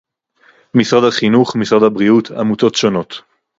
משרד החינוך, משרד הבריאות, עמותות שונות